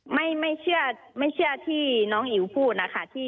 ไม่เชื่อที่น้องอิ๋วพูดนะคะ